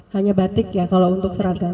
hanya batik ya kalau untuk seragam